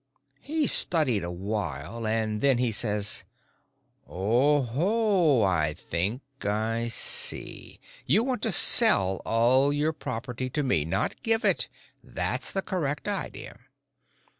He studied a while, and then he says: "Oho o! I think I see. You want to sell all your property to me—not give it. That's the correct idea."